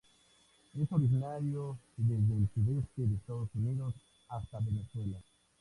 Es originario desde el sudeste de Estados Unidos hasta Venezuela.